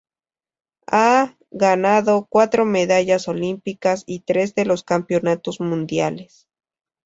Ha ganado cuatro medallas olímpicas y tres de los campeonatos mundiales.